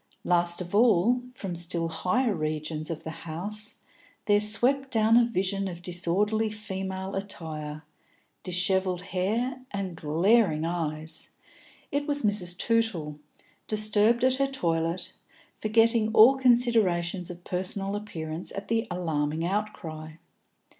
Last of all, from still higher regions of the house there swept down a vision of disordered female attire, dishevelled hair, and glaring eyes; it was Mrs. Tootle, disturbed at her toilet, forgetting all considerations of personal appearance at the alarming outcry.